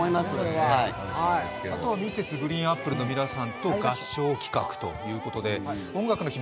あとＭｒｓ．ＧＲＥＥＮＡＰＰＬＥの皆さんと合唱企画ということで、「音楽の日」